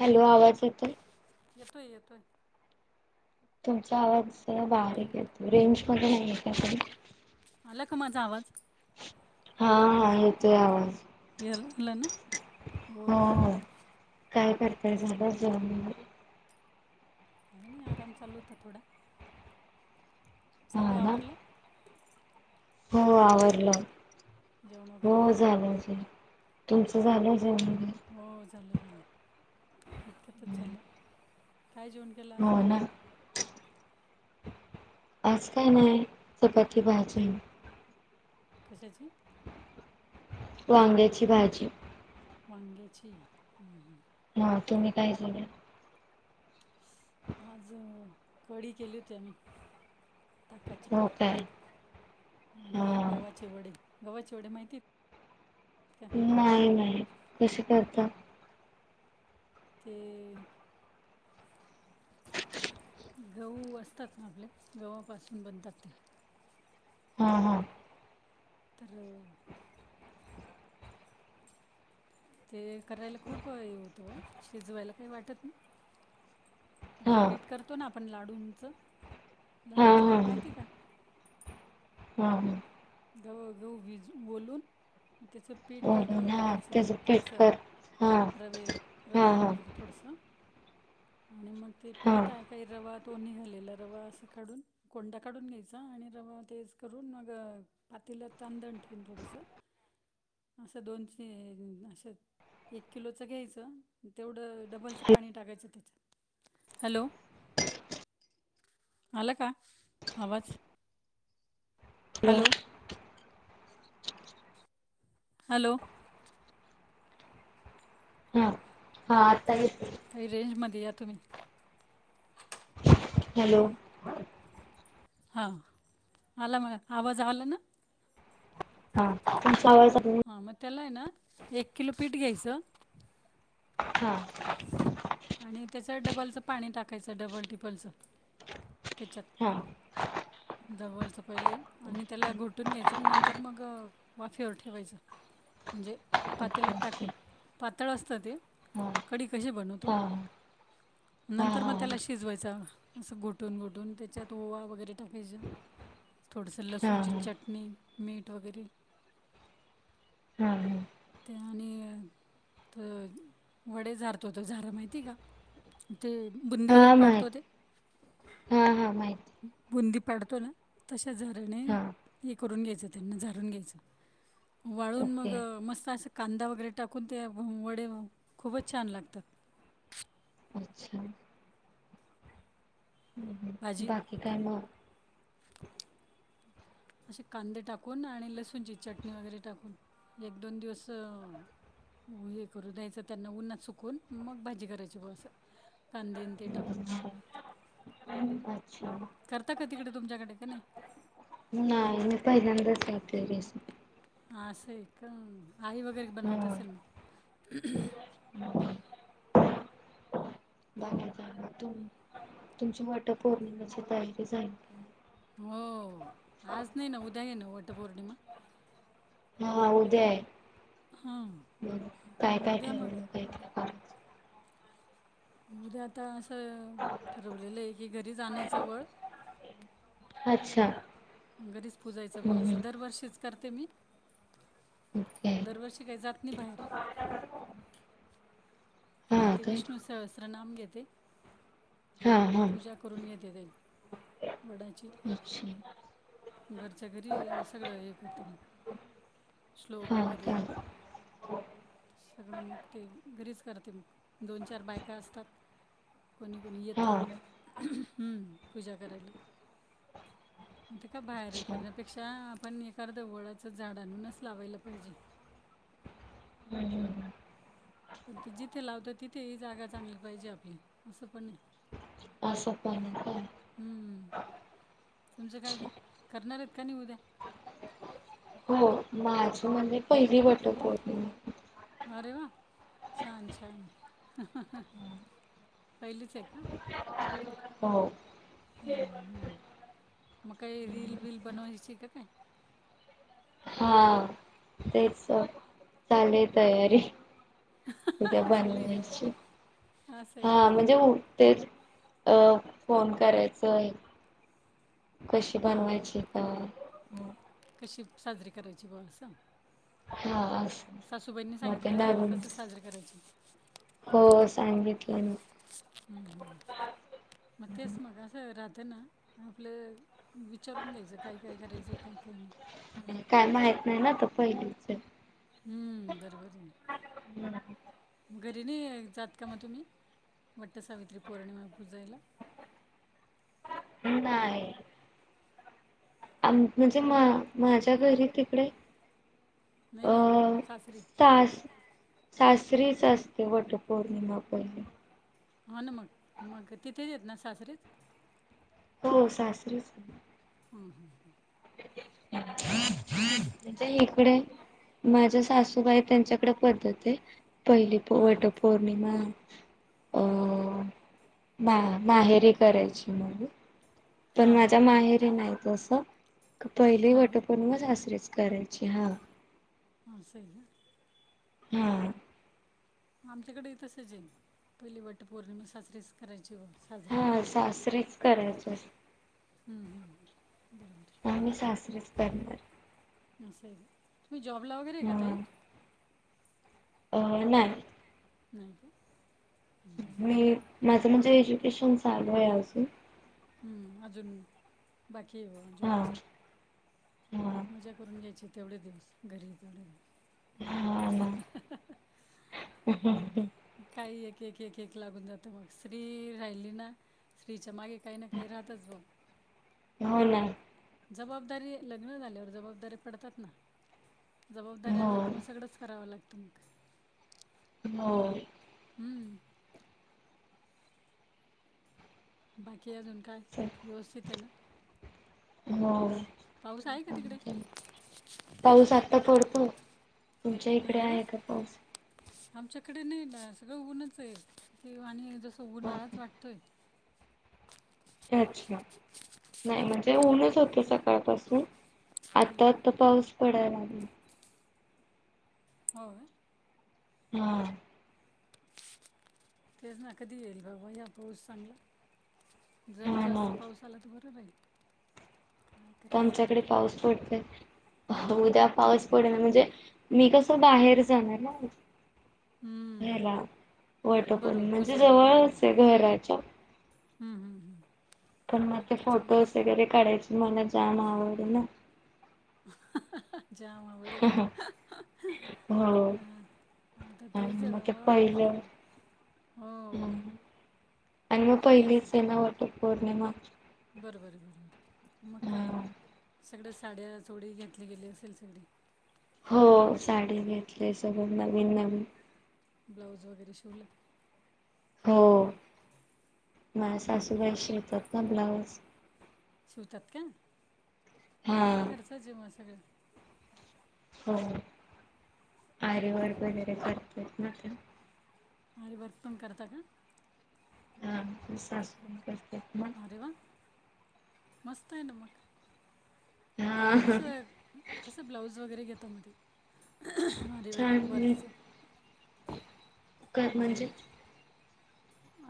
Hello आवाज येतोयं. येतोयं येतोयं. तुमचा आवाज बारीक येतोय रेंज मध्ये नाही आहे का आपण. ला का माझा आवाज? हा हा येतोय आवाज. याल लागला ना? हो वोकी. हो काय करताय? झालं जेवन? काही नाही आराम चालू होता थोडा. हा चालू ना आवरलं? हो जेवण आवरलं, वगैरे जेवण हो वगैरे झालं. तुमचं हां झालं जेवुन? हो झालं [unintelligible] इतक्यातच झालं. काय जेवन केलं आज? हो ना आज काय नाही, चपाती भाजी. कश्याची? वांग्याची भाजी. वांग्याची हं-हं हा तुम्ही काय झाल? आज अ कढी केली होती आम्ही. ताकाची हो कढी काय आणि हा गव्हाचे वडे. गव्हाचे वडे माहितीये? नाही-नाही कसे करता? ते [unintelligible] गहू असतात ना आपले गव्हापासून बनतात ते. हा-हा. तर अं. ते करायला खूप हे होतं हो, शिजवायला काही वाटत नाही. आपलं हा पीठ करतो ना आपण हा लाडूंचं-लाडूंचं पीठ माहिती का? हं-हं गव्ह गहु भीजुन ओलून त्याचं पीठ म्हणून दळून हा आणायचं त्याच पेट थोडंसं कर हा रवे हा रवा वगैरे थोडासं. आणि मग ते हा हा पीठ आहे काही रवात तो न्ही झालेला रवा असं काढून कोंडा काढून घ्यायचा आणि रवा तेच करून मग अ पातेलात तांंदन ठेवून थोडासं असं दोन शे एक किलोचं घ्यायचं. तेवढं डबलचं पाणी टाकायचं त्याच्यात, हॅलो आला का आवाज? Hello hello. हा हा आता येतो काही रेंजमध्ये या तुम्ही. हॅलो. हा आला मला, आवाज ना? हा तुमचा आवाज [unintelligible] हां मग त्याला आहे ना एक किलो पीठ घ्यायचं हा. आणि त्याचं डबलचं पाणी टाकायचं डबल ट्रिपलचं. हा. दबायचं पहिले आणि त्याला घोटून घ्यायचं नंतर मग अ वाफेवर ठेवायचं. म्हणजे पातेलात ओके ओके टाकून, पातळ असतं ते. हा कढी कशी हा बनवतो? हा नंतर मग हा त्याला शिजवायचा अस घोटून घोटून त्याच्यात ओवा वगैरे टाकायचं थोडंसं हा लसूणची चटणी, मीठ वगैरे. हा हा त्यानी तर वडे झारतो तो झारा माहितेय का ते बुंदी हा वगैरे हा पाडतो ते माहिती हा हा माहित पडतो ना तश्या झाऱ्याने हे करून घ्यायचं त्यांना झारुन घ्यायचं वाळून ओके मग मस्त असं कांदा वगैरे टाकून ते आपण वडे खूपच छान लागतात अच्छा हम्म हम्म भाजी बाकी काय म असे कांदे टाकून आणि लसूणची चटणी वगैरे टाकून एक दोन दिवस अ हे करू द्यायचं त्यांना उन्हात सुकून मग भाजी करायची ब असं कांदेन ते टाकून हम् [inaudible] [unintelligible] करता का तिकडे तुमच्याकडे का नाही नाही [unintelligible] [unintelligible] मी काय झंझट नाही करत असं आहे का आई वगैरे हा बनवत असेल म बाकी काय मग तुम्ही तुमची वटपौर्णिमेची तयारी जाईल का नाही हो आज नाही ना उद्या आहे ना वटपौर्णिमा हा उद्या आहे हां काय काय उद्या मग ठरवलं करायचं? उद्या आता असं ठरवलेलं आहे की घरी जाण्याचं वळ अच्छा घरीच पुजायचं ग हम्म अस हम्म दरवर्षीच करते मी ओके दरवर्षी काही जात नाही बाहेर म हा काय विष्णु सहस्र नाम घेत हा हा पूजा करून घेते त्या वडाची अच्छा घरच्या घरी हे सगळं हे करते मग श्लोक हा वगैरे काय सगळं मग ते घरीच करते मग दोन चार बायका असतात कोणी कोणी हा येतात हम्म पूजा करायला म्हण ते का बाहेरही अच्छा करण्यापेक्षा आपण एका जवळाचं झाड आणूनच लावायला पाहिजे [inaudible] [inaudible] हम्म पण ते जिथे लावत तिथे ही जागा चांगली पाहिजे आपली असं पण अस पण आहे का हम्म, तुमचं काय करणार आहेत का नाही उद्या हो माझं म्हण पहिली वटपौर्णिमा अरे वा छान छान हा हा... पहिलीच आहे का हो हम्म हम्म मकई रील विल बनवायचे का काय हा तेच चा चाले तयारी उद्या चालू आहे का बनवायची असं आहे का हा अरे वा म्हणजे ते अ फोन करायच आहे कशी हां हां बनवायची का कशी साजरी करायची बावा सांग हा असं सासूबाईंनी मग ते सांगितलं असेल ना नवीन कसं साजरं करायची सांगितले ना हम्म हम्म मग तेच मगं असं राहत तर ना आपलं विचारून घ्यायचं काय काय करायचं काय काय नाही काय माहित नाही ना तर पहिलीच ए हम्म बरोबर आहे ना हम्म घरी नाही जात का मग तुम्ही वट सावित्री पौर्णिमा पुंजायला ययययय म्हणजे माझ्या घरी तिकडे नाही अ नाही नाही सासरी सास सासरीच असते वटपौर्णिमा पहिली हा ना मग मग तिथेच येत ना सासरीत हो सासरीच हं, हं. मग तेच इकडे माझ्या सासूबाई त्यांच्याकडे पद्धत आहे पहिली वट बरोबर पौर्णिमा अं मा माहेरी करायची मला पण हां माझ्या हां हां माहेर नाही तसं पहिली नाही वाट का पौर्णिमा मग सासरी करायची हा ह अस आहे ना हं आमच्याकडे तसच आहे पहिली वट पौर्णिमा साजरीच करायची ग हा सासरीेच करायच हम हम बरोबर आहे आम्ही साररीच करणार असं आहे तुम्ही जॉबला वगैरे आहे का तई अं नाही नाही का माझं म्हणजे एज्युकेशन चालू आहे अजून आजून बाकी मग हा जॉबच हा मजा करून घ्यायची तेवढे दिवस घरी तेवढे दिवस हा ना काही एक एक एक एक लागून जात मग स्त्री राहिली ना स्त्रीच्या मागे काही ना काही राहतच बघ हो ना जबाबदारी लग्न झाल्यावर जबाबदारी पडतात ना जबाबदारी हो आल्या का मग सगळंच करावं लागतं मग हो हं, बाकी अजून काय व्यवस्थित आहे ना हो पाऊस आहे का तिकडे पाऊस आता पडतो तुमच्या इकडे अरे वा आहे का पाऊस आमच्याकडे नाही ड सगळं उनच आहे ते आणि जसं हो उन्हाळाच का? वाटतोय अच्छा नाही म्हणजे ऊनच होतं सकाळपासून हं. आत्ता आता पाऊस पडायला लागला हो हा तेच ना कधी येईल बाबा, या पोच चांगला जर हा जास्त ना पाऊस आला तर बरं राहील काय करायचं आता? आमच्याकडे पाऊस पडतोय, उद्या पाऊस पडला म्हणजे मी कस? बाहेर जाणार ना? हा ला हम्म वाट, पण बरोबर म्हणजे पूजेला बरोबर जवळच आहे घराच्या हम्म हम्म हम्म पण मग ते त्याच्या फोटोज वगैरे काढायचे मला जाम आवडतात ना जाऊ बडे का? हो हातात तेज आणि आहे मग ते बाबा पहिलं फंड हा आणि मग पहिलेच आहे पहिलीच ना होत पौर्णिमा बरोबर बरोबर मग काय सगळ्या साड्या चोडी घेतली गेली असेल सगळी हो साडी घेतली सगं नवीन नवीन बलाऊज वगैरे शोल हो माझ मग सासूबाई काय शिरतात ना ब्लाऊज शिवतात का हा मग घरचं जेव्हा सगळं हो आरेवरार वगैरे करत ना तर हर वर्क पण करत का अस का अरे वा मस्त आहे ना मग कस हा कस ब्लाऊज वगैरे घेतो मध्ये हरिवे वरस का म्हणजे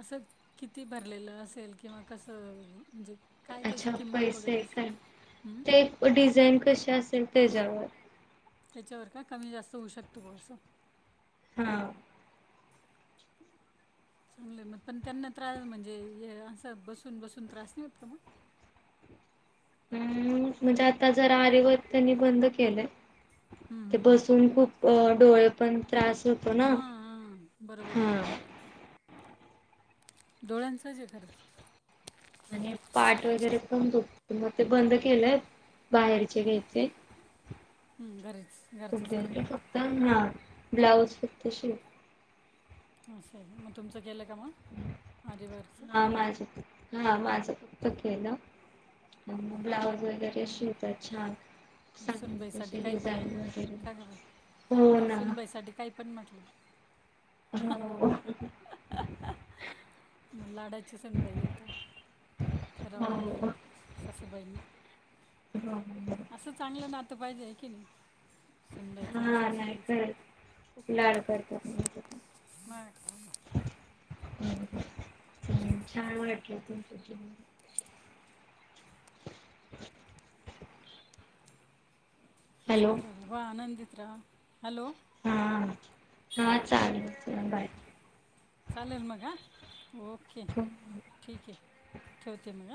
असं किती भरलेलं असेल किंवा कसं म्हणजे काय त्याची किंमत वगैरे असते हं? तेेप व डिझाईन कशी असेल त्याच्यावर त्याच्यावर का कमी जास्त होऊ शकतो ग असं हा चांगलं मग पण त्यांना त्रास म्हणजे असं बसून बसून त्रास नाही होत का मग का एकु येत नाही हम् म्हणजे आता जरा आरेवत त्यांनी बंद केलं हं, ते हं, हं. बसून खूप अ डोळे पण त्रास होतो ना हां, हां. बरोबर आहे. हा डोळ्यांचाचे खर्च आणि पाठ वगैरे कोण त ते बंद केलंय बाहेरचे घ्यायचे हं, घरीच घरचंच खपलं करणं. फक्त हा ब्लाउज फक्त शे ह स आहे मग तुमचं केलं का मग आरिवारचं हा माझं हा माझं फक्त केलं मग ब्लाउज वगैरे शिेतात छान सांगेल सुनबाई साठी तशी काही पण डिझाईन ना वगैरे का का बाई हो ना सुनबाई साठी काय पण म्हटलं हो म लाडाची सण बाई आता खराव लागेल हो ना साासबाईना असं चांगलं नातं पाहिजे आहे की नाही सुनबाईचं आणि हा नाही सासूबाईचं करत खूप लाड करत मग छान वाटलं तुमच्या अशा काही येकु नाही काही नाही आहे असंच रा हो आनंदित राहा हॅलो हा हा चालेल बाय चालेल मग ह ओके हो. ठीक आहे ठेवते मग हां